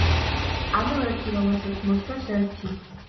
ანუ, ერთი რომელსაც მოსდევს ერთი.